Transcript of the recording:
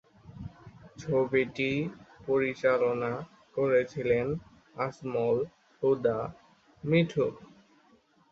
ছবিটি পরিচালনা করেছিলেন আজমল হুদা মিঠু।